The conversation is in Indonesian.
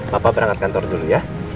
bapak berangkat kantor dulu ya